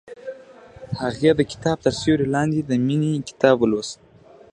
هغې د کتاب تر سیوري لاندې د مینې کتاب ولوست.